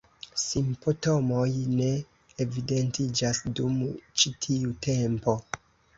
Simptomoj ne evidentiĝas dum ĉi tiu tempo.